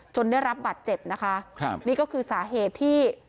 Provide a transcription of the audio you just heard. ได้รับบัตรเจ็บนะคะครับนี่ก็คือสาเหตุที่